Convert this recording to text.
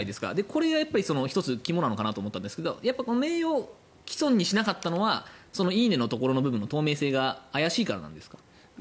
これは１つ肝なのかなと思ったんですが名誉棄損にしなかったのは「いいね」のところの透明性が怪しいからなんですか？